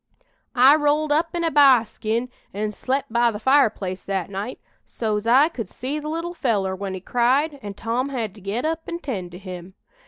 "I rolled up in a b'ar skin an' slep' by the fireplace that night, so's I could see the little feller when he cried an' Tom had to get up an' tend to him.